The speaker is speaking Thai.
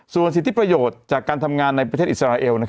ส่วนสิทธิประโยชน์จากการทำงานในประเทศอิสราเอล